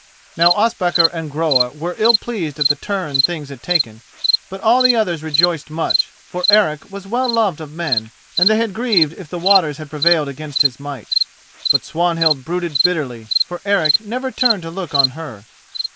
Now Ospakar and Groa were ill pleased at the turn things had taken; but all the others rejoiced much, for Eric was well loved of men and they had grieved if the waters had prevailed against his might. But Swanhild brooded bitterly, for Eric never turned to look on her.